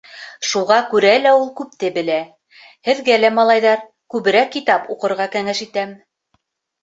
Шуға күрә лә ул күпте белә. һеҙгә лә, малайҙар, күберәк китап уҡырға кәңәш итәм...